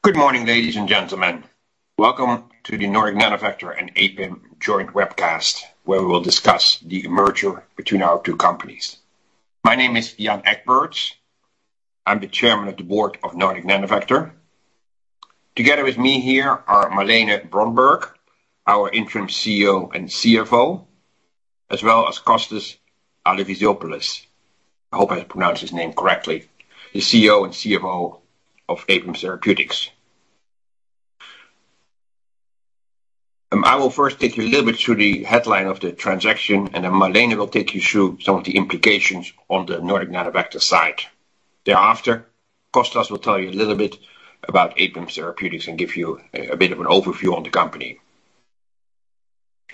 Good morning, ladies and gentlemen. Welcome to the Nordic Nanovector and Apim joint webcast, where we will discuss the merger between our two companies. My name is Jan H. Egberts. I'm the Chairman of the board of Nordic Nanovector. Together with me here are Malene Brøndberg, our interim CEO and CFO, as well as Kostas Alevizopoulos. I hope I pronounced his name correctly. The CEO and CFO of Apim Therapeutics. I will first take you a little bit through the headline of the transaction, and then Malene will take you through some of the implications on the Nordic Nanovector side. Thereafter, Kostas will tell you a little bit about Apim Therapeutics and give you a bit of an overview on the company.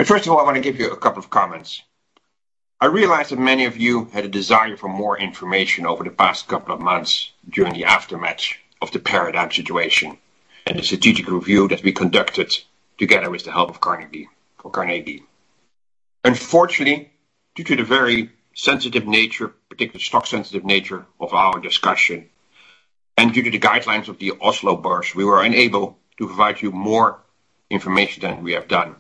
First of all, I want to give you a couple of comments. I realize that many of you had a desire for more information over the past couple of months during the aftermath of the PARADIGME situation and the strategic review that we conducted together with the help of Carnegie. Unfortunately, due to the very sensitive nature, particularly stock-sensitive nature of our discussion, and due to the guidelines of the Oslo Børs, we were unable to provide you more information than we have done.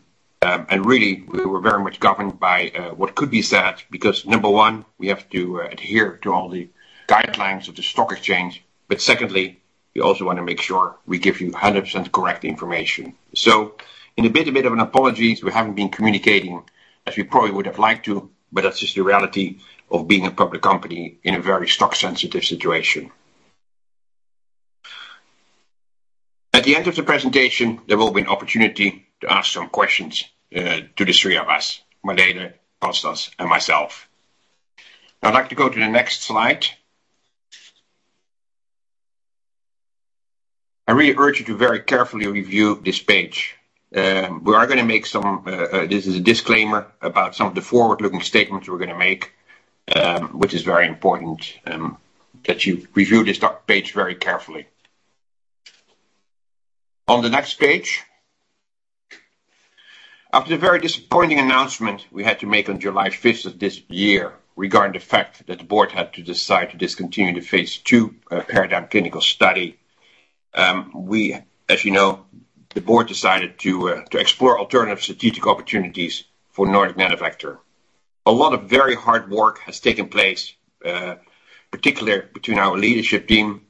Really, we were very much governed by what could be said, because number one, we have to adhere to all the guidelines of the stock exchange. Secondly, we also want to make sure we give you 100% correct information. In a bit of an apology, we haven't been communicating as we probably would have liked to, but that's just the reality of being a public company in a very stock-sensitive situation. At the end of the presentation, there will be an opportunity to ask some questions to the three of us, Malene, Kostas, and myself. I'd like to go to the next slide. I really urge you to very carefully review this page. We are going to make this is a disclaimer about some of the forward-looking statements we're going to make, which is very important, that you review this page very carefully. On the next page. After the very disappointing announcement we had to make on July 5th of this year regarding the fact that the board had to decide to discontinue the phase II PARADIGME clinical study, as you know, the board decided to explore alternative strategic opportunities for Nordic Nanovector. A lot of very hard work has taken place, particularly between our leadership team,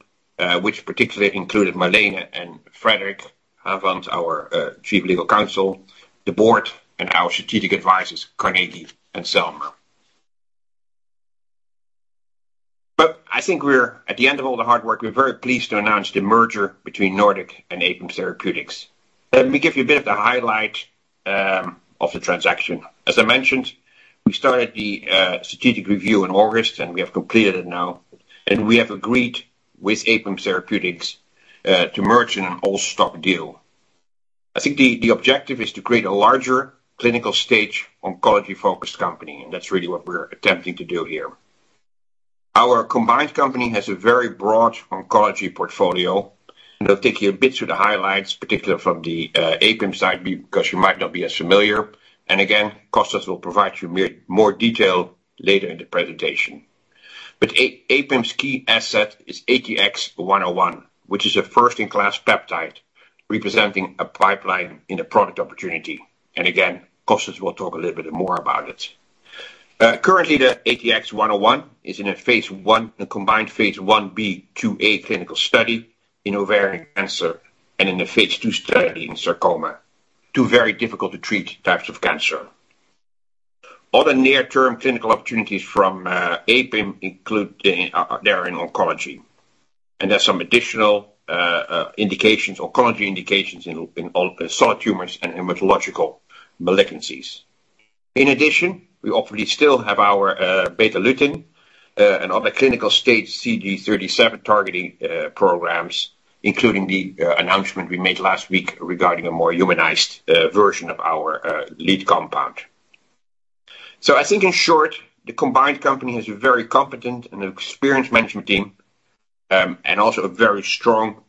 which particularly included Malene and Fredrik Haavind, our Chief Legal Counsel, the board, and our strategic advisors, Carnegie and Selmer. I think we're at the end of all the hard work. We're very pleased to announce the merger between Nordic and Apim Therapeutics. Let me give you a bit of the highlights of the transaction. As I mentioned, we started the strategic review in August, and we have completed it now, and we have agreed with Apim Therapeutics to merge in an all-stock deal. I think the objective is to create a larger clinical-stage oncology-focused company, and that's really what we're attempting to do here. Our combined company has a very broad oncology portfolio. I'll take you a bit through the highlights, particularly from the Apim side because you might not be as familiar. Again, Kostas will provide you more detail later in the presentation. Apim's key asset is ATX-101, which is a first-in-class peptide representing a pipeline and a product opportunity. Again, Kostas will talk a little bit more about it. Currently, the ATX-101 is in a phase I. a combined phase I-B/II-A clinical study in ovarian cancer and in a phase II study in sarcoma, two very difficult-to-treat types of cancer. Other near-term clinical opportunities from Apim include their in oncology, and there's some additional indications, oncology indications in solid tumors and hematological malignancies. In addition, we obviously still have our Betalutin and other clinical-stage CD37 targeting programs, including the announcement we made last week regarding a more humanized version of our lead compound. I think in short, the combined company has a very competent and experienced management team, and also a very strong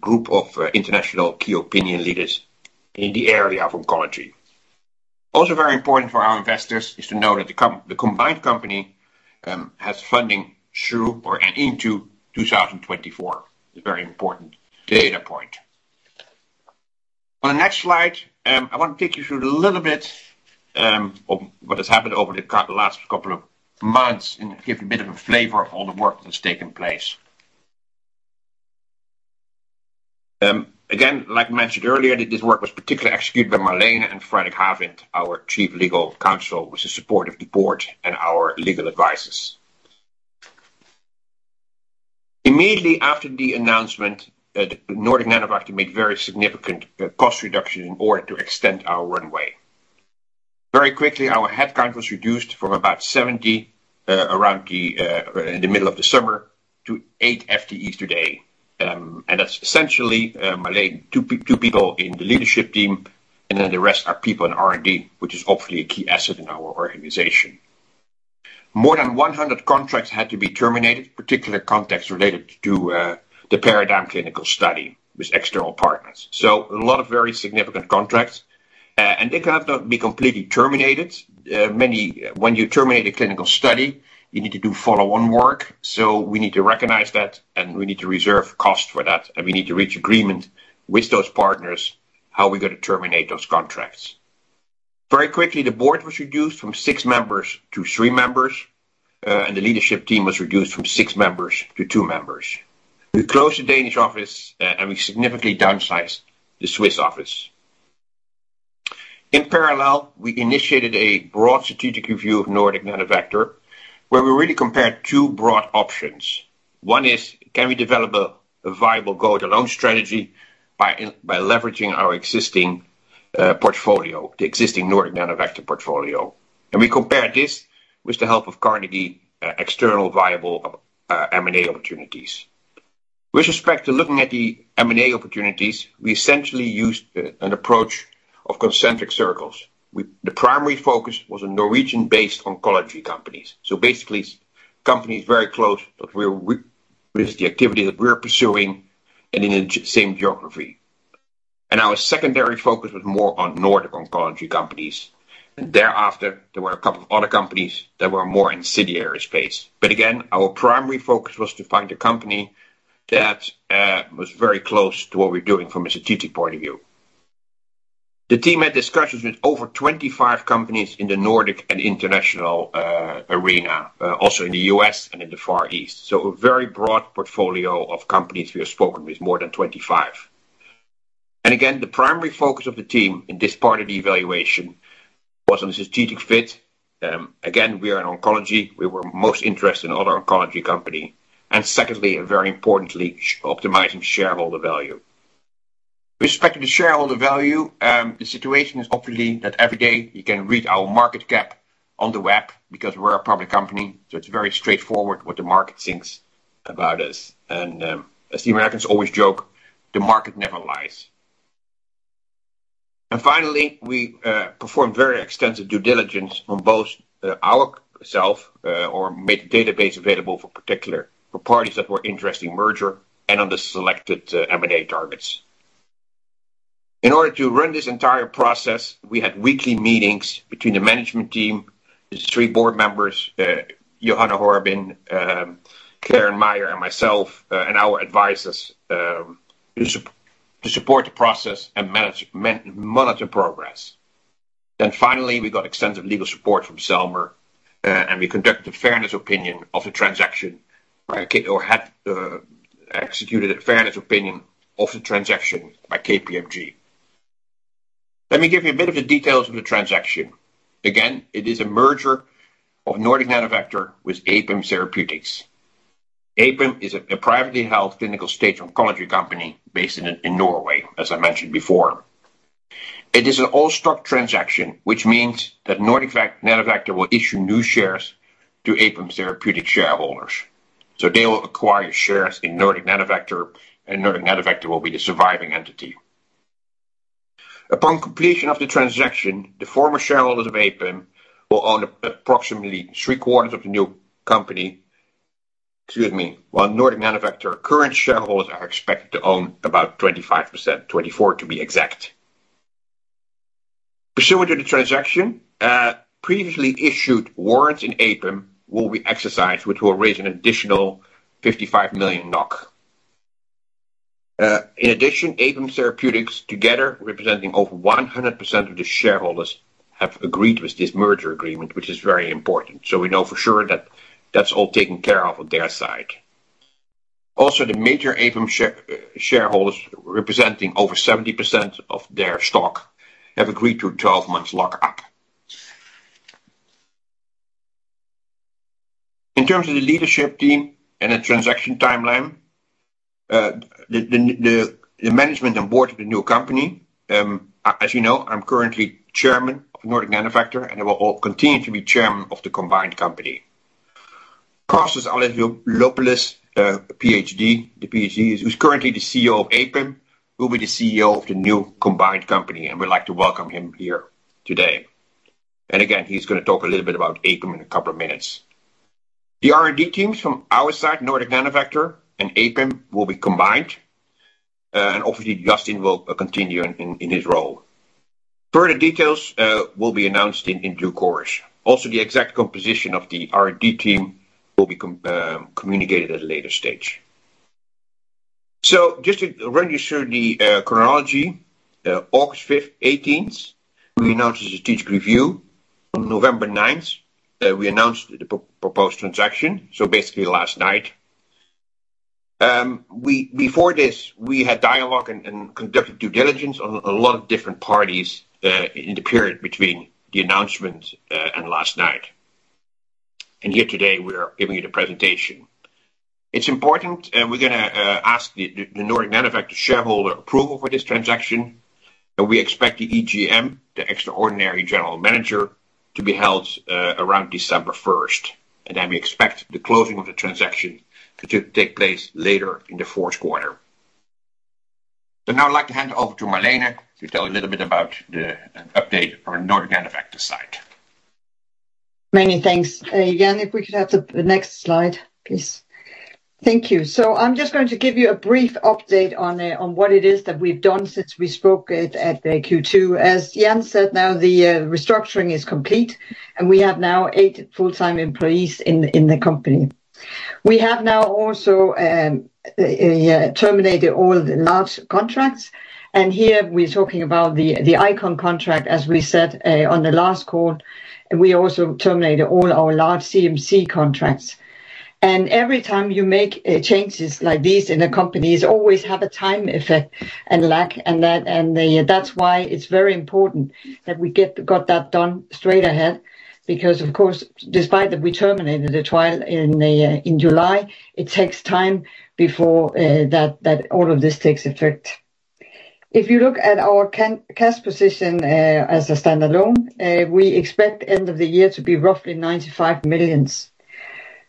group of international key opinion leaders in the area of oncology. Also very important for our investors is to know that the combined company has funding through 2024. It's a very important data point. On the next slide, I want to take you through a little bit of what has happened over the last couple of months and give a bit of a flavor of all the work that's taken place. Again, like mentioned earlier, this work was particularly executed by Malene and Fredrik Haavind, our Chief Legal Counsel, with the support of the board and our legal advisors. Immediately after the announcement, Nordic Nanovector made very significant cost reductions in order to extend our runway. Very quickly, our headcount was reduced from about 70 around the middle of the summer to eight FTEs today. That's essentially, Malene, two people in the leadership team, and then the rest are people in R&D, which is obviously a key asset in our organization. More than 100 contracts had to be terminated, particularly contracts related to the PARADIGME clinical study with external partners. A lot of very significant contracts. They cannot be completely terminated. When you terminate a clinical study, you need to do follow-on work. We need to recognize that, and we need to reserve cost for that, and we need to reach agreement with those partners how we're going to terminate those contracts. Very quickly, the board was reduced from six members to three members, and the leadership team was reduced from six members to two members. We closed the Danish office, and we significantly downsized the Swiss office. In parallel, we initiated a broad strategic review of Nordic Nanovector, where we really compared two broad options. One is, can we develop a viable go-it-alone strategy by leveraging our existing portfolio, the existing Nordic Nanovector portfolio? We compared this with the help of Carnegie, external viable M&A opportunities. With respect to looking at the M&A opportunities, we essentially used an approach of concentric circles, with the primary focus was on Norwegian-based oncology companies. Basically companies very close that we're with the activity that we're pursuing and in the same geography. Our secondary focus was more on Nordic oncology companies. Thereafter, there were a couple of other companies that were more in CDR space. Our primary focus was to find a company that was very close to what we're doing from a strategic point of view. The team had discussions with over 25 companies in the Nordic and international arena, also in the U.S. and in the Far East, so a very broad portfolio of companies we have spoken with, more than 25. Again, the primary focus of the team in this part of the evaluation was on the strategic fit. Again, we are in oncology. We were most interested in other oncology company, and secondly, and very importantly, optimizing shareholder value. With respect to the shareholder value, the situation is obviously that every day you can read our market cap on the web because we're a public company, so it's very straightforward what the market thinks about us. As the Americans always joke, the market never lies. We performed very extensive due diligence on both ourselves or made the database available for particular for parties that were interested in merger and on the selected M&A targets. In order to run this entire process, we had weekly meetings between the management team, the three board members, Joanna Horobin, Karin Meyer, and myself, and our advisors, to support the process and monitor progress. Finally, we got extensive legal support from Selmer, and we had executed a fairness opinion of the transaction by KPMG. Let me give you a bit of the details of the transaction. It is a merger of Nordic Nanovector with Apim Therapeutics. Apim is a privately held clinical-stage oncology company based in Norway, as I mentioned before. It is an all-stock transaction, which means that Nordic Nanovector will issue new shares to Apim Therapeutics shareholders. They will acquire shares in Nordic Nanovector, and Nordic Nanovector will be the surviving entity. Upon completion of the transaction, the former shareholders of Apim will own approximately three-quarters of the new company. Excuse me. While Nordic Nanovector current shareholders are expected to own about 25%, 24% to be exact. Pursuant to the transaction, previously issued warrants in Apim will be exercised, which will raise an additional 55 million NOK. In addition, Apim Therapeutics, together representing over 100% of the shareholders, have agreed with this merger agreement, which is very important, so we know for sure that that's all taken care of on their side. Also, the major Apim shareholders representing over 70% of their stock have agreed to a 12-month lock-up. In terms of the leadership team and the transaction timeline, the management and board of the new company, as you know, I'm currently Chairman of Nordic Nanovector, and I will continue to be Chairman of the combined company. Kostas Alevizopoulos, PhD, who's currently the CEO of Apim, will be the CEO of the new combined company, and we'd like to welcome him here today. Again, he's going to talk a little bit about Apim in a couple of minutes. The R&D teams from our side, Nordic Nanovector and Apim, will be combined, and obviously Jostein will continue in his role. Further details will be announced in due course. The exact composition of the R&D team will be communicated at a later stage. Just to run you through the chronology, August fifth, eighteenth, we announced a strategic review. On November ninth, we announced the proposed transaction, so basically last night. Before this, we had dialogue and conducted due diligence on a lot of different parties in the period between the announcement and last night. Here today, we are giving you the presentation. It's important, we're gonna ask the Nordic Nanovector shareholder approval for this transaction, and we expect the EGM, the Extraordinary General Meeting, to be held around December first, and then we expect the closing of the transaction to take place later in the fourth quarter. Now I'd like to hand over to Malene to tell you a little bit about the update on Nordic Nanovector's side. Many thanks. Again, if we could have the next slide, please. Thank you. I'm just going to give you a brief update on what it is that we've done since we spoke at the Q2. As Jan said, now the restructuring is complete, and we have now eight full-time employees in the company. We have now also terminated all the large contracts, and here we're talking about the Icon contract, as we said on the last call. We also terminated all our large CMC contracts. Every time you make changes like this in a company, it's always a time effect and lag, and that's why it's very important that we get. Got that done straight ahead because of course, despite that we terminated the trial in July, it takes time before that all of this takes effect. If you look at our cash position, as a standalone, we expect end of the year to be roughly 95 million.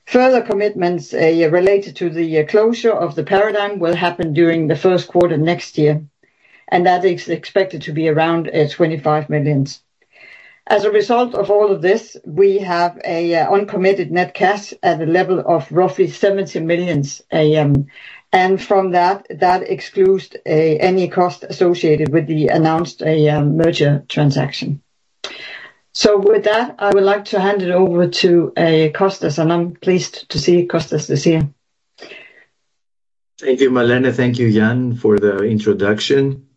Further commitments related to the closure of the PARADIGME will happen during the first quarter next year, and that is expected to be around 25 million. As a result of all of this, we have a uncommitted net cash at a level of roughly 70 million, and from that excludes any cost associated with the announced merger transaction. With that, I would like to hand it over to Kostas, and I'm pleased to see Kostas is here. Thank you, Malene. Thank you, Jan, for the introduction.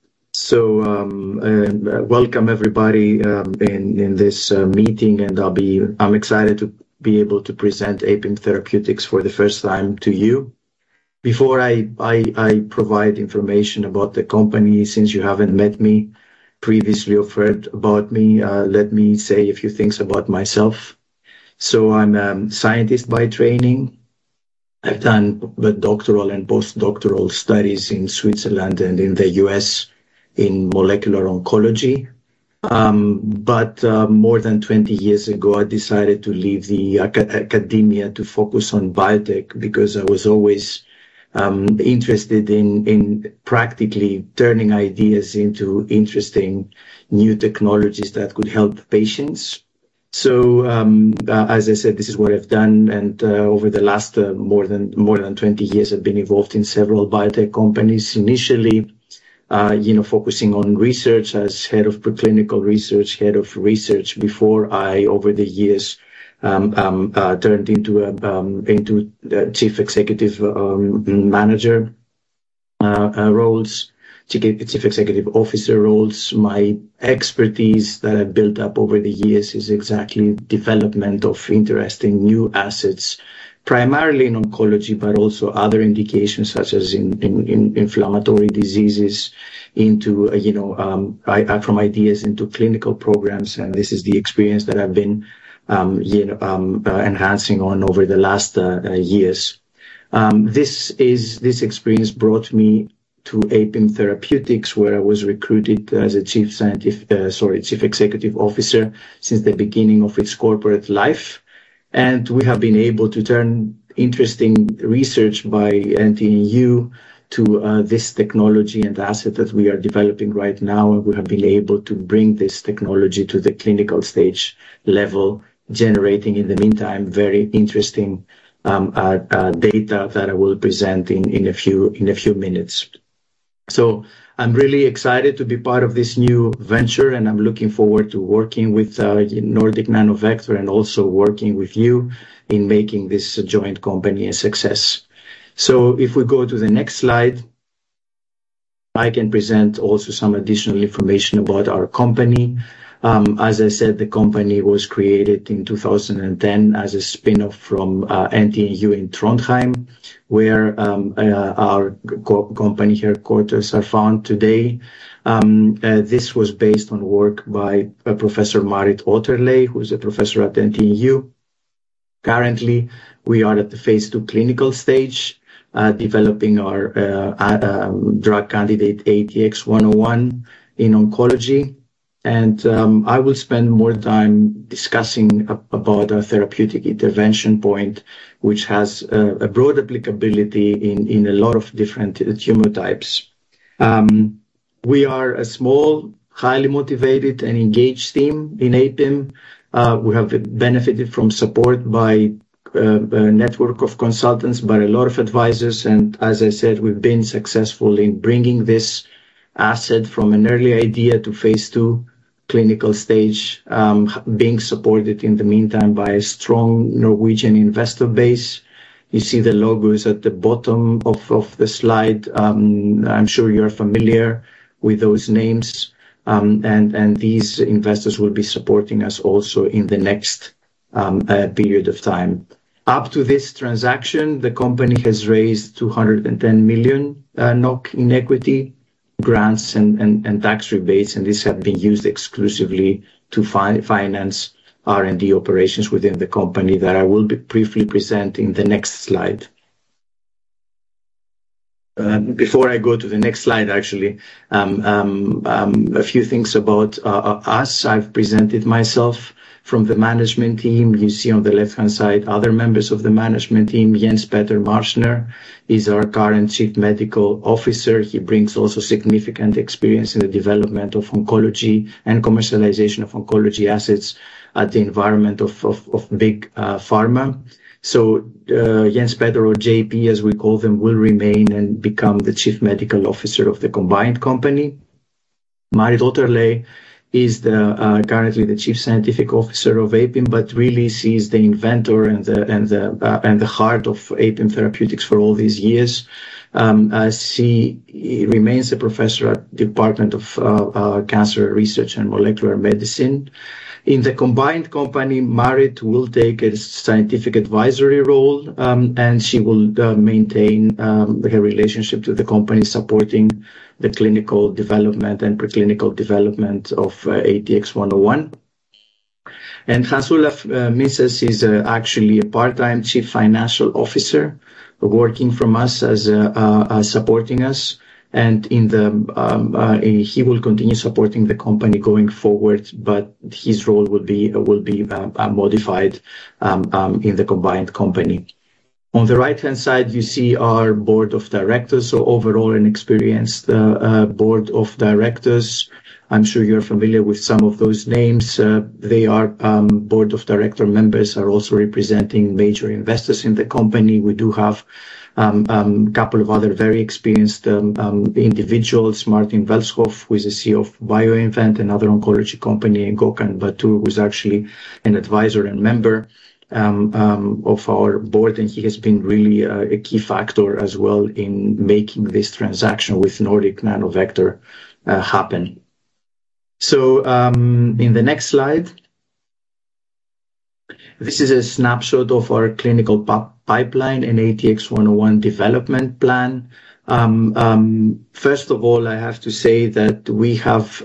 Welcome everybody in this meeting, and I'm excited to be able to present Apim Therapeutics for the first time to you. Before I provide information about the company, since you haven't met me previously or heard about me, let me say a few things about myself. I'm scientist by training. I've done the doctoral and post-doctoral studies in Switzerland and in the U.S. in molecular oncology. More than 20 years ago, I decided to leave academia to focus on biotech because I was always interested in practically turning ideas into interesting new technologies that could help patients. As I said, this is what I've done and, over the last, more than 20 years, I've been involved in several biotech companies initially, you know, focusing on research as head of preclinical research, head of research before I over the years turned into the chief executive manager roles to chief executive officer roles. My expertise that I've built up over the years is exactly development of interesting new assets, primarily in oncology, but also other indications, such as in inflammatory diseases into, you know, from ideas into clinical programs, and this is the experience that I've been, you know, enhancing on over the last years. This experience brought me to Apim Therapeutics, where I was recruited as Chief Executive Officer since the beginning of its corporate life. We have been able to turn interesting research by NTNU to this technology and asset that we are developing right now, and we have been able to bring this technology to the clinical stage level, generating in the meantime, very interesting data that I will present in a few minutes. I'm really excited to be part of this new venture, and I'm looking forward to working with Nordic Nanovector and also working with you in making this joint company a success. If we go to the next slide, I can present also some additional information about our company. As I said, the company was created in 2010 as a spin-off from NTNU in Trondheim, where our co-company headquarters are found today. This was based on work by a Professor Marit Otterlei, who is a professor at NTNU. Currently, we are at the phase II clinical stage, developing our drug candidate, ATX-101 in oncology. I will spend more time discussing about our therapeutic intervention point, which has a broad applicability in a lot of different tumor types. We are a small, highly motivated and engaged team in Apim. We have benefited from support by a network of consultants, by a lot of advisors, and as I said, we've been successful in bringing this asset from an early idea to phase II clinical stage, being supported in the meantime by a strong Norwegian investor base. You see the logos at the bottom of the slide. I'm sure you're familiar with those names, and these investors will be supporting us also in the next period of time. Up to this transaction, the company has raised 210 million NOK in equity grants and tax rebates, and these have been used exclusively to finance R&D operations within the company that I will be briefly presenting the next slide. Before I go to the next slide, actually, a few things about us. I've presented myself. From the management team, you see on the left-hand side other members of the management team. Jens-Petter Marschner is our current Chief Medical Officer. He brings also significant experience in the development of oncology and commercialization of oncology assets at the environment of big pharma. Jens-Petter Marschner, JP as we call them, will remain and become the Chief Medical Officer of the combined company. Marit Otterlei is currently the chief scientific officer of Apim, but really she's the inventor and the heart of Apim Therapeutics for all these years. She remains a professor at Department of Clinical and Molecular Medicine. In the combined company, Marit will take a scientific advisory role, and she will maintain her relationship to the company, supporting the clinical development and preclinical development of ATX-101. Hans Olav Minsås is actually a part-time Chief Financial Officer working for us as supporting us. In the combined company, he will continue supporting the company going forward, but his role will be modified in the combined company. On the right-hand side, you see our board of directors. Overall, an experienced board of directors. I'm sure you're familiar with some of those names. They are board of director members are also representing major investors in the company. We do have couple of other very experienced individuals. Martin Welschof, who is the CEO of BioInvent, another oncology company, and Gökhan Batur, who is actually an advisor and member of our board, and he has been really a key factor as well in making this transaction with Nordic Nanovector happen. In the next slide, this is a snapshot of our clinical pipeline and ATX-101 development plan. First of all, I have to say that we have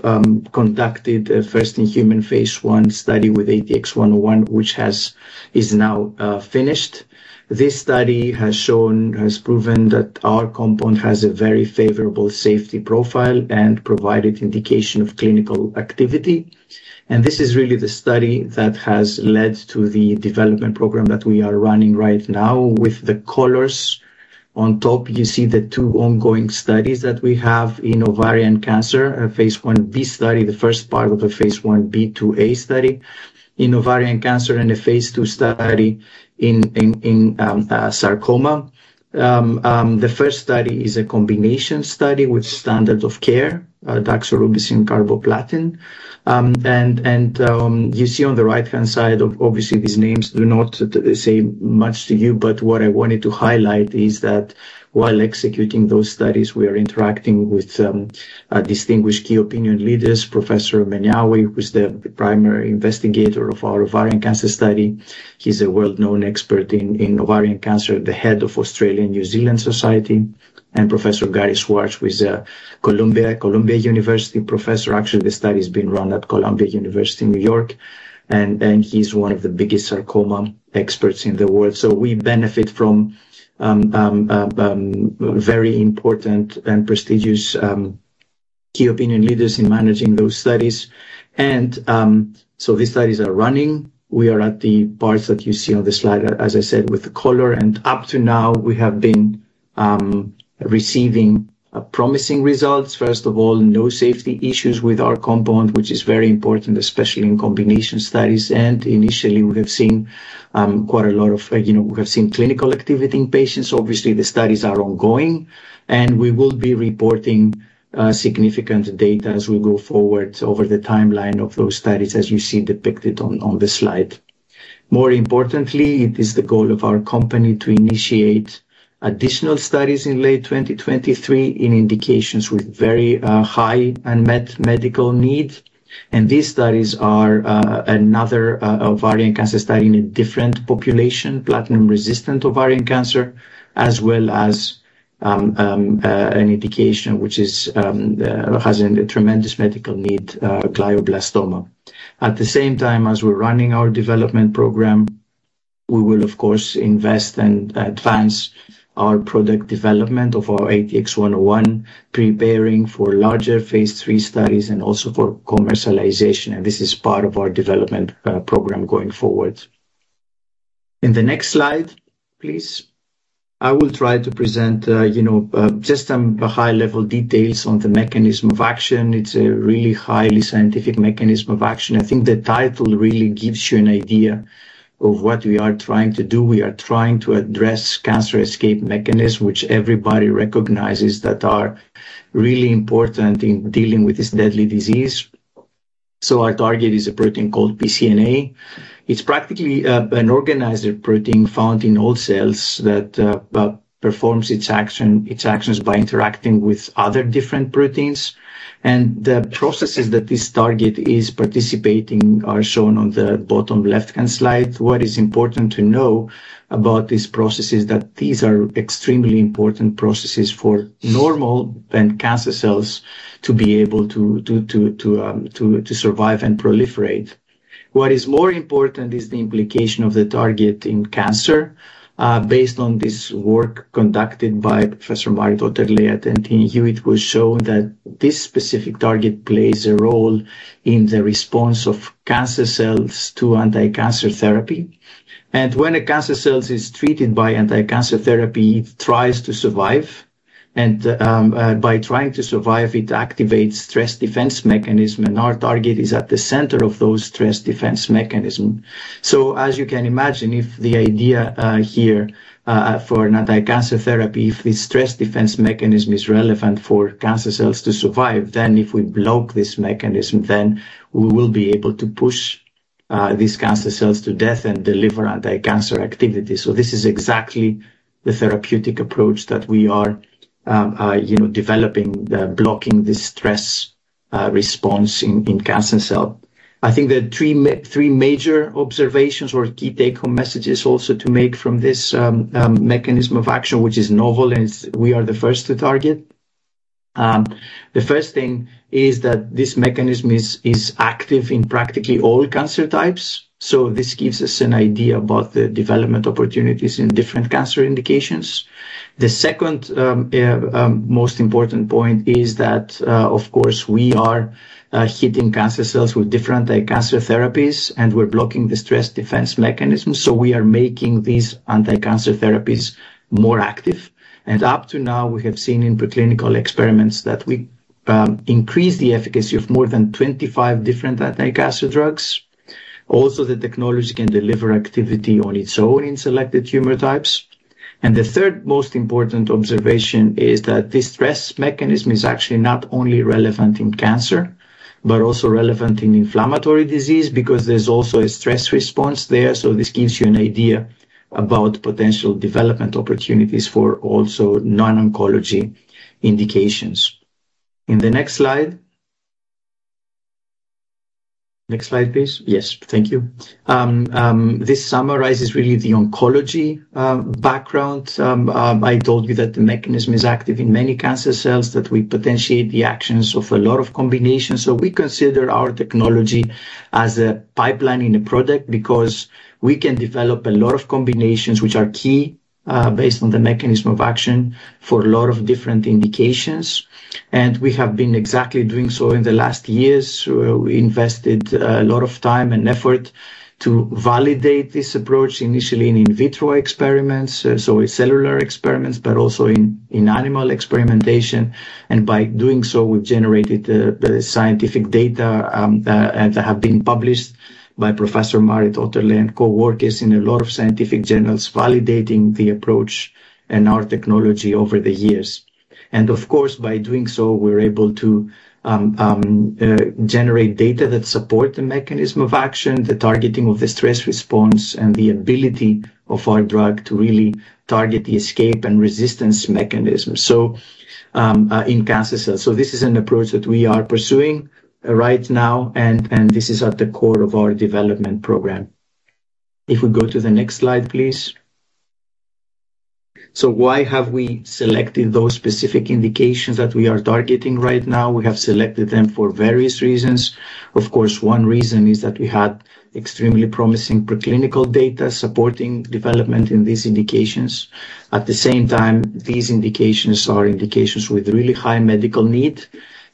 conducted a first-in-human phase I study with ATX-101, which is now finished. This study has shown, has proven that our compound has a very favorable safety profile and provided indication of clinical activity. This is really the study that has led to the development program that we are running right now. With the colors on top, you see the two ongoing studies that we have in ovarian cancer, a phase I-B study, the first part of a phase I-B/II-A study in ovarian cancer and a phase II study in sarcoma. The first study is a combination study with standard of care, doxorubicin/carboplatin. You see on the right-hand side, obviously these names do not say much to you, but what I wanted to highlight is that while executing those studies, we are interacting with distinguished key opinion leaders. Professor Meniawy, who's the primary investigator of our ovarian cancer study. He's a world-known expert in ovarian cancer, the head of Australia New Zealand Gynaecological Oncology Group, and Professor Gary Schwartz, who is a Columbia University professor. Actually, the study is being run at Columbia University in New York, and he's one of the biggest sarcoma experts in the world. We benefit from very important and prestigious key opinion leaders in managing those studies. These studies are running. We are at the parts that you see on the slide, as I said, with the color. Up to now, we have been receiving promising results. First of all, no safety issues with our compound, which is very important, especially in combination studies. Initially, we have seen quite a lot of, you know, we have seen clinical activity in patients. Obviously, the studies are ongoing, and we will be reporting significant data as we go forward over the timeline of those studies, as you see depicted on the slide. More importantly, it is the goal of our company to initiate additional studies in late 2023 in indications with very high unmet medical need. These studies are another ovarian cancer study in a different population, platinum-resistant ovarian cancer, as well as an indication which has a tremendous medical need, glioblastoma. At the same time as we're running our development program, we will of course invest and advance our product development of our ATX-101, preparing for larger phase III studies and also for commercialization. This is part of our development program going forward. In the next slide, please. I will try to present, you know, just high-level details on the mechanism of action. It's a really highly scientific mechanism of action. I think the title really gives you an idea of what we are trying to do. We are trying to address cancer escape mechanisms, which everybody recognizes that are really important in dealing with this deadly disease. Our target is a protein called PCNA. It's practically, an organizer protein found in all cells that performs its action, its actions by interacting with other different proteins. The processes that this target is participating are shown on the bottom left-hand slide. What is important to know about these processes, that these are extremely important processes for normal and cancer cells to be able to survive and proliferate. What is more important is the implication of the target in cancer. Based on this work conducted by Professor Marit Otterlei at NTNU, it was shown that this specific target plays a role in the response of cancer cells to anti-cancer therapy. When a cancer cells is treated by anti-cancer therapy, it tries to survive, and by trying to survive, it activates stress defense mechanism, and our target is at the center of those stress defense mechanism. As you can imagine, if the idea here for an anti-cancer therapy, if the stress defense mechanism is relevant for cancer cells to survive, then if we block this mechanism, then we will be able to push these cancer cells to death and deliver anti-cancer activity. This is exactly the therapeutic approach that we are, you know, developing, blocking the stress response in cancer cell. I think there are three major observations or key take-home messages also to make from this mechanism of action, which is novel and we are the first to target. The first thing is that this mechanism is active in practically all cancer types. This gives us an idea about the development opportunities in different cancer indications. The second most important point is that of course we are hitting cancer cells with different anti-cancer therapies, and we're blocking the stress defense mechanism, so we are making these anti-cancer therapies more active. Up to now, we have seen in preclinical experiments that we increase the efficacy of more than 25 different anti-cancer drugs. Also, the technology can deliver activity on its own in selected tumor types. The third most important observation is that this stress mechanism is actually not only relevant in cancer but also relevant in inflammatory disease because there's also a stress response there. This gives you an idea about potential development opportunities for also non-oncology indications. In the next slide. Next slide, please. Yes. Thank you. This summarizes really the oncology background. I told you that the mechanism is active in many cancer cells, that we potentiate the actions of a lot of combinations. We consider our technology as a pipeline in a product because we can develop a lot of combinations which are key based on the mechanism of action for a lot of different indications. We have been exactly doing so in the last years. We invested a lot of time and effort to validate this approach, initially in vitro experiments, so in cellular experiments, but also in animal experimentation. By doing so, we've generated the scientific data, and that have been published by Professor Marit Otterlei and coworkers in a lot of scientific journals, validating the approach and our technology over the years. Of course, by doing so, we're able to generate data that support the mechanism of action, the targeting of the stress response, and the ability of our drug to really target the escape and resistance mechanism in cancer cells. This is an approach that we are pursuing right now, and this is at the core of our development program. If we go to the next slide, please. Why have we selected those specific indications that we are targeting right now? We have selected them for various reasons. Of course, one reason is that we had extremely promising preclinical data supporting development in these indications. At the same time, these indications are indications with really high medical need.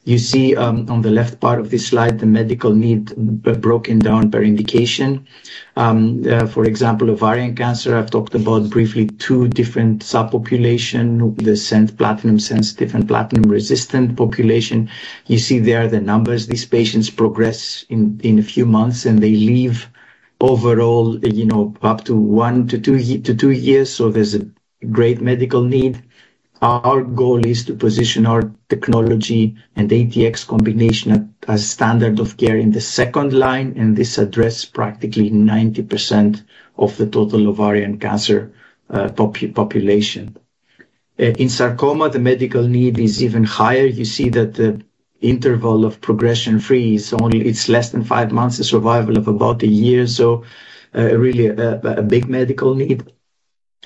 You see, on the left part of this slide, the medical need broken down per indication. For example, ovarian cancer, I've talked about briefly two different subpopulation, the platinum sensitive and platinum-resistant population. You see there the numbers. These patients progress in a few months, and they live overall, you know, up to one to two years. There's a great medical need. Our goal is to position our technology and ATX combination at a standard of care in the second line, and this addresses practically 90% of the total ovarian cancer population. In sarcoma, the medical need is even higher. You see that the interval of progression-free is only—it's less than five months, the survival of about a year. Really a big medical need.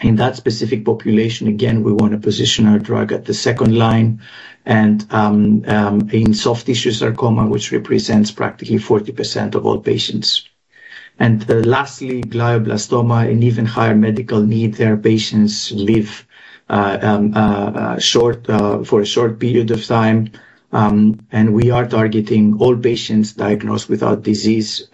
In that specific population, again, we wanna position our drug at the second line and in soft tissue sarcoma, which represents practically 40% of all patients. Lastly, glioblastoma, an even higher medical need. Their patients live for a short period of time. We are targeting all patients diagnosed with our disease,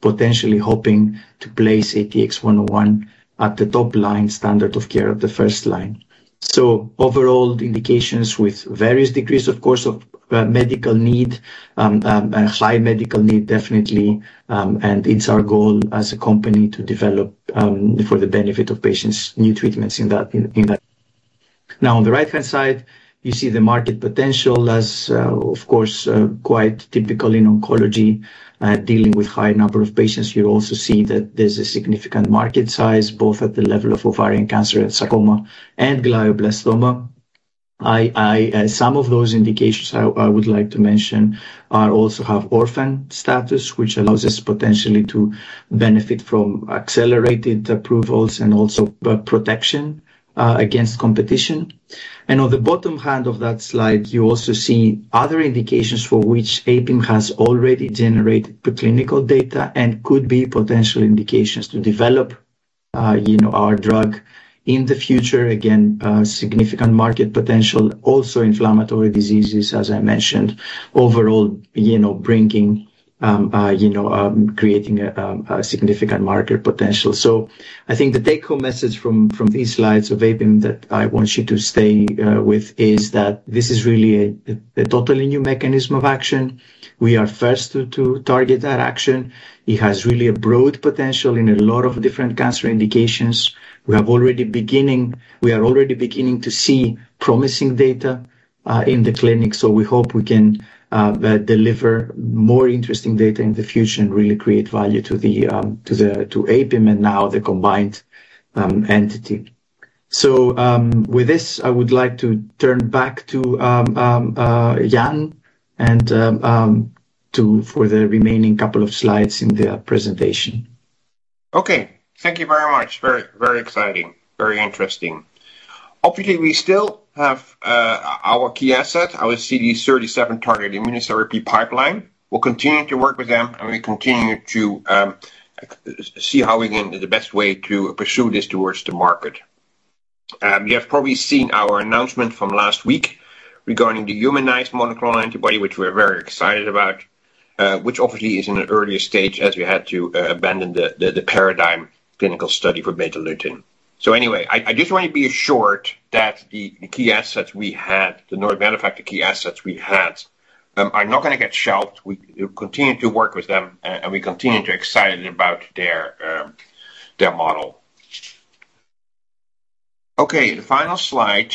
potentially hoping to place ATX-101 at the first-line standard of care of the first line. Overall, the indications with various degrees, of course, of medical need and high medical need, definitely, and it's our goal as a company to develop for the benefit of patients new treatments in that. Now, on the right-hand side, you see the market potential as of course quite typical in oncology dealing with high number of patients. You also see that there's a significant market size, both at the level of ovarian cancer and sarcoma and glioblastoma. Some of those indications I would like to mention also have orphan status, which allows us potentially to benefit from accelerated approvals and also protection against competition. On the bottom hand of that slide, you also see other indications for which APIM has already generated preclinical data and could be potential indications to develop, you know, our drug in the future. Again, significant market potential. Also inflammatory diseases, as I mentioned. Overall, you know, creating a significant market potential. I think the take-home message from these slides of APIM that I want you to stay with is that this is really a totally new mechanism of action. We are first to target that action. It has really a broad potential in a lot of different cancer indications. We are already beginning to see promising data in the clinic. We hope we can deliver more interesting data in the future and really create value to the APIM and now the combined entity. With this, I would like to turn back to Jan and for the remaining couple of slides in the presentation. Okay. Thank you very much. Very, very exciting. Very interesting. Obviously, we still have our key asset, our CD37 targeting immunotherapy pipeline. We'll continue to work with them, and we continue to see the best way to pursue this towards the market. You have probably seen our announcement from last week regarding the humanized monoclonal antibody, which we're very excited about, which obviously is in an earlier stage as we had to abandon the PARADIGME clinical study for Betalutin. Anyway, I just want to be assured that the key assets we had, the Nordic Nanovector key assets we had, are not gonna get shelved. We will continue to work with them, and we continue to excited about their their model. Okay, the final slide.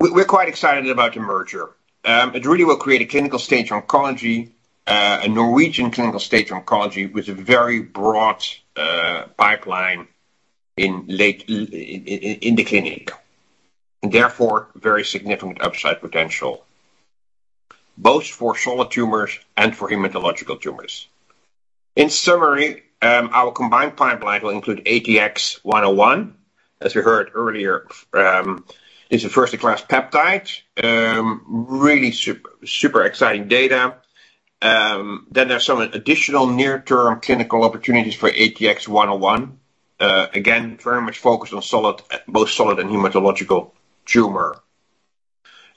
We're quite excited about the merger. It really will create a clinical-stage oncology, a Norwegian clinical-stage oncology with a very broad pipeline in late in the clinic, and therefore, very significant upside potential both for solid tumors and for hematological tumors. In summary, our combined pipeline will include ATX-101. As we heard earlier, it's a first-in-class peptide. Really super exciting data. Then there are some additional near-term clinical opportunities for ATX-101. Again, very much focused on solid, both solid and hematological tumor.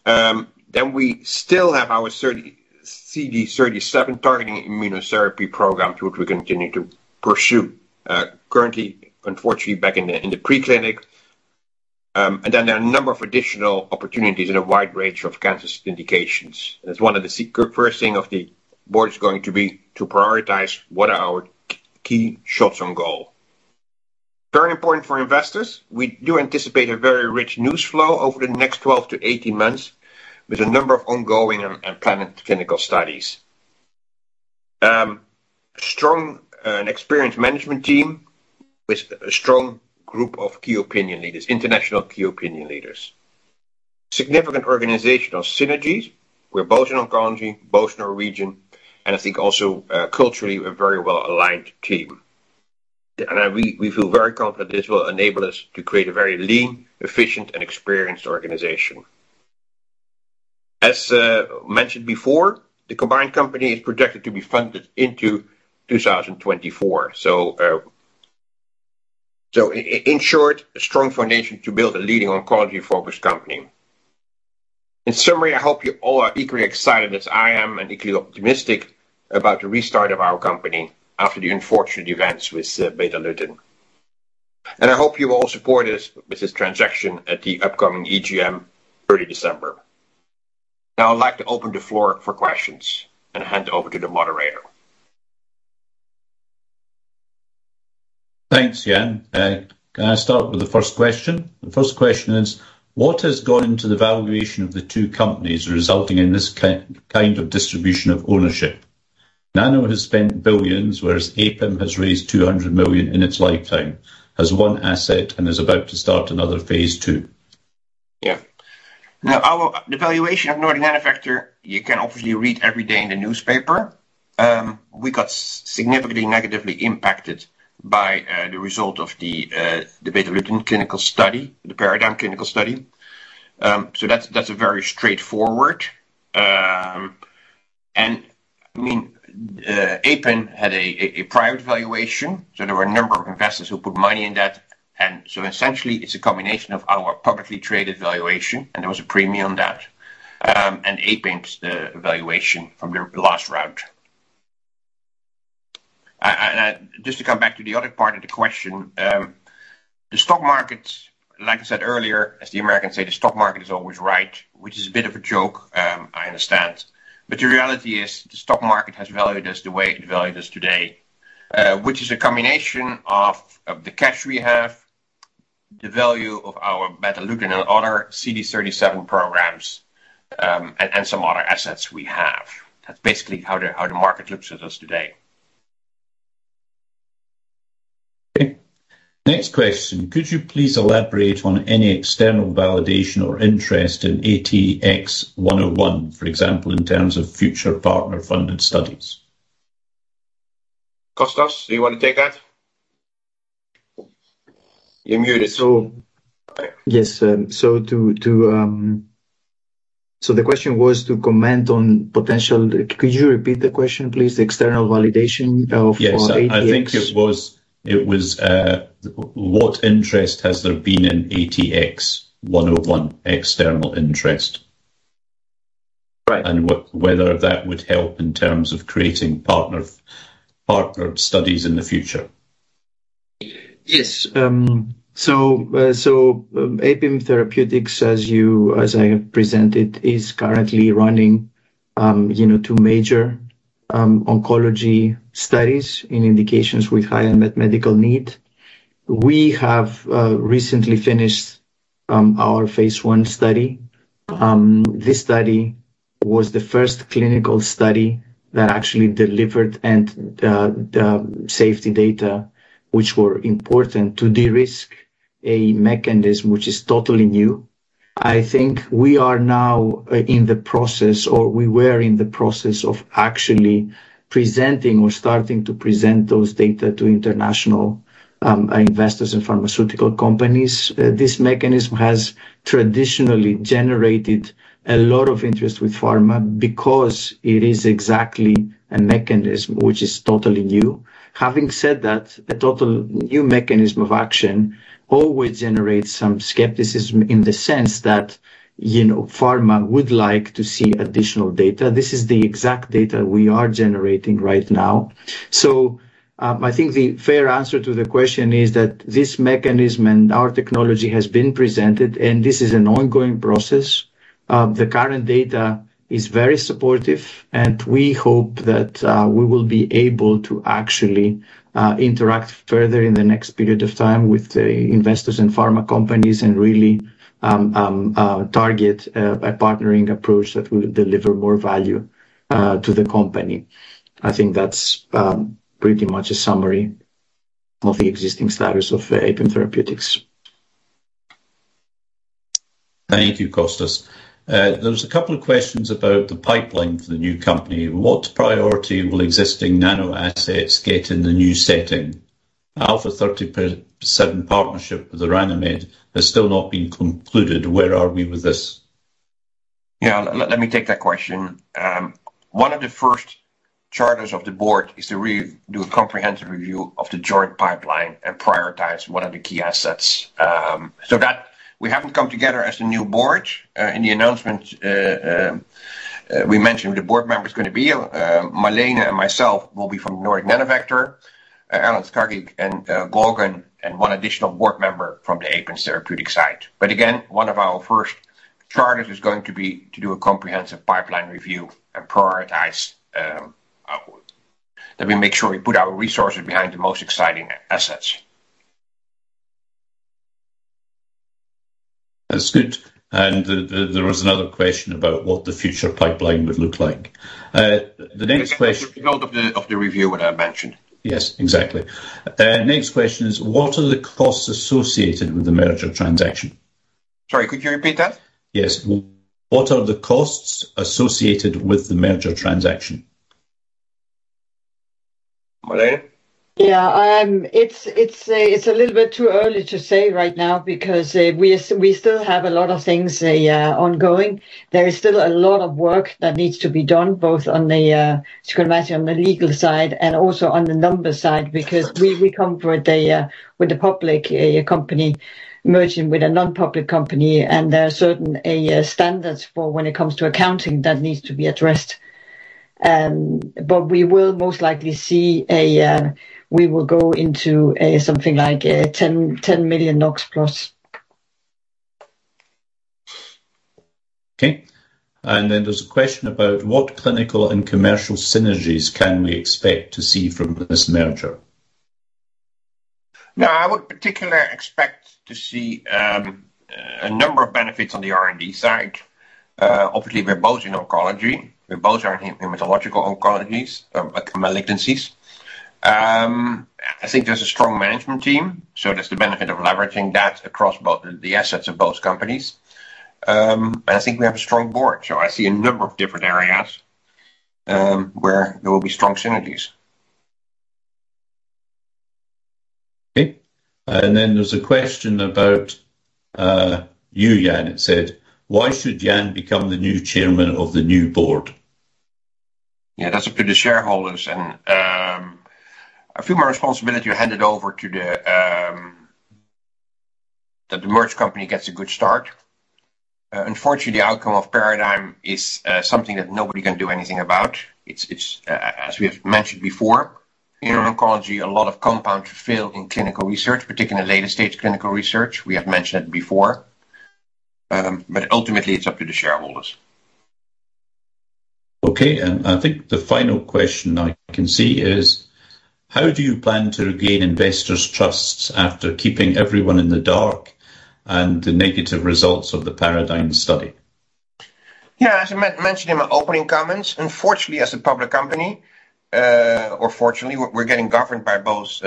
Then we still have our CD37 targeting immunotherapy program, which we continue to pursue. Currently, unfortunately, back in the pre-clinic. And then there are a number of additional opportunities in a wide range of cancer indications. That's one of the first thing of the board is going to be to prioritize what are our key shots on goal. Very important for investors, we do anticipate a very rich news flow over the next 12-18 months with a number of ongoing and planned clinical studies. Strong and experienced management team with a strong group of key opinion leaders, international key opinion leaders. Significant organizational synergies. We're both in oncology, both in our region, and I think also culturally, we're a very well-aligned team. We feel very confident this will enable us to create a very lean, efficient, and experienced organization. As mentioned before, the combined company is projected to be funded into 2024. In short, a strong foundation to build a leading oncology-focused company. In summary, I hope you all are equally excited as I am and equally optimistic about the restart of our company after the unfortunate events with Betalutin. I hope you will all support us with this transaction at the upcoming EGM, early December. Now I'd like to open the floor for questions and hand over to the moderator. Thanks, Jan. Can I start with the first question? The first question is: What has gone into the valuation of the two companies resulting in this kind of distribution of ownership? Nano has spent billions of NOK, whereas Apim has raised 200 million in its lifetime, has one asset, and is about to start another phase II. Now, the valuation of Nordic Nanovector, you can obviously read every day in the newspaper. We got significantly negatively impacted by the result of the Betalutin clinical study, the PARADIGME clinical study. That's very straightforward. I mean, Apim had a private valuation, so there were a number of investors who put money in that. Essentially, it's a combination of our publicly traded valuation, and there was a premium on that, and Apim's valuation from their last round. Just to come back to the other part of the question, the stock market, like I said earlier, as the Americans say, the stock market is always right, which is a bit of a joke, I understand. The reality is the stock market has valued us the way it valued us today, which is a combination of the cash we have, the value of our Betalutin and other CD37 programs, and some other assets we have. That's basically how the market looks at us today. Okay. Next question: Could you please elaborate on any external validation or interest in ATX-101, for example, in terms of future partner-funded studies? Kostas, do you wanna take that? You're muted. Yes, the question was to comment on potential. Could you repeat the question, please? The external validation of ATX. Yes. I think it was what interest has there been in ATX-101, external interest? Right. whether that would help in terms of creating partner studies in the future. Yes. Apim Therapeutics, as you, as I have presented, is currently running, you know, two major, oncology studies in indications with high medical need. We have recently finished our phase I study. This study was the first clinical study that actually delivered the safety data which were important to de-risk a mechanism which is totally new. I think we are now in the process or we were in the process of actually presenting or starting to present those data to international investors and pharmaceutical companies. This mechanism has traditionally generated a lot of interest with pharma because it is exactly a mechanism which is totally new. Having said that, a total new mechanism of action always generates some skepticism in the sense that, you know, pharma would like to see additional data. This is the exact data we are generating right now. I think the fair answer to the question is that this mechanism and our technology has been presented, and this is an ongoing process. The current data is very supportive, and we hope that we will be able to actually interact further in the next period of time with the investors and pharma companies and really target a partnering approach that will deliver more value to the company. I think that's pretty much a summary of the existing status of Apim Therapeutics. Thank you, Kostas. There was a couple of questions about the pipeline for the new company. What priority will existing nano assets get in the new setting? CD37 partnership with Orano has still not been concluded. Where are we with this? Yeah. Let me take that question. One of the first charters of the board is to do a comprehensive review of the joint pipeline and prioritize what are the key assets. That we haven't come together as the new board. In the announcement, we mentioned the board member is gonna be Malene and myself will be from Nordic Nanovector. Erlend Skagseth and Gökhan Batur and one additional board member from the Apim Therapeutics side. Again, one of our first charters is going to be to do a comprehensive pipeline review and prioritize that we make sure we put our resources behind the most exciting assets. That's good. There was another question about what the future pipeline would look like. The next question. As a result of the review, what I mentioned. Yes, exactly. Next question is what are the costs associated with the merger transaction? Sorry, could you repeat that? Yes. What are the costs associated with the merger transaction? Malena? It's a little bit too early to say right now because we still have a lot of things ongoing. There is still a lot of work that needs to be done both on the regulatory side and also on the financial side because we come with a public company merging with a non-public company, and there are certain standards for when it comes to accounting that needs to be addressed. We will most likely go into something like 10 million NOK+. Okay. There's a question about what clinical and commercial synergies can we expect to see from this merger? Yeah. I would particularly expect to see a number of benefits on the R&D side. Obviously, we're both in oncology. We both are in hematological oncologies, like malignancies. I think there's a strong management team, so there's the benefit of leveraging that across both the assets of both companies. I think we have a strong board. I see a number of different areas where there will be strong synergies. Okay. There's a question about you, Jan, it said. Why should Jan become the new Chairman of the new Board? Yeah. That's up to the shareholders and I feel my responsibility handed over to that the merged company gets a good start. Unfortunately, the outcome of PARADIGME is something that nobody can do anything about. It's as we have mentioned before. In oncology, a lot of compounds fail in clinical research, particularly later stage clinical research. We have mentioned it before, but ultimately it's up to the shareholders. Okay. I think the final question I can see is how do you plan to regain investors' trust after keeping everyone in the dark and the negative results of the PARADIGME study? Yeah. As I mentioned in my opening comments, unfortunately, as a public company, or fortunately, we're getting governed by both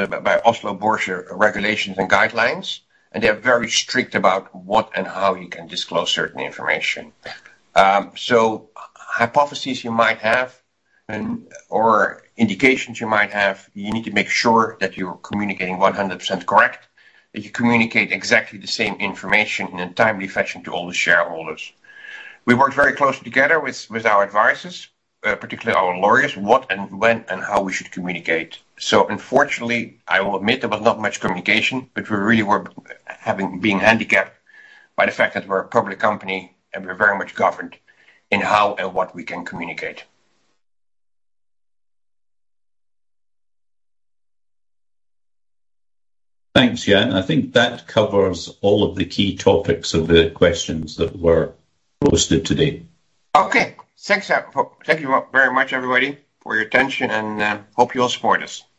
Oslo Børs regulations and guidelines, and they're very strict about what and how you can disclose certain information. Hypotheses you might have and or indications you might have, you need to make sure that you're communicating 100% correct, that you communicate exactly the same information in a timely fashion to all the shareholders. We worked very closely together with our advisors, particularly our lawyers, what and when and how we should communicate. Unfortunately, I will admit there was not much communication, but we really were being handicapped by the fact that we're a public company and we're very much governed in how and what we can communicate. Thanks, Jan. I think that covers all of the key topics of the questions that were posted today. Okay. Thank you very much, everybody, for your attention and hope you all support us. Thank you.